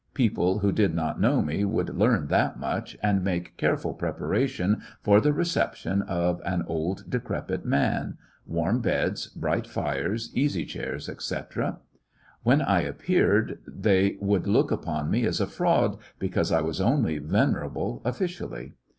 People who did not know me would learn that much, and make careful prep aration for the reception of an old decrepit man— warm beds, bright fires, easy chairs, etc 79 ^coUections of a When I appeared they would look upon me as a fraud because I was only venerable offi cially.